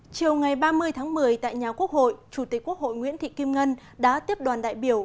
chiều ngày ba mươi tháng một mươi tại nhà quốc hội chủ tịch quốc hội nguyễn thị kim ngân đã tiếp đoàn đại biểu